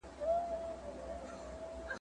له سهاره تر ماښامه به کړېږم !.